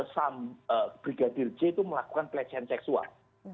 sam brigadir j itu melakukan pelecehan seksual